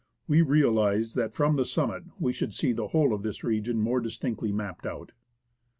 We realized that from the summit we should see the whole of this region more distinctly mapped out.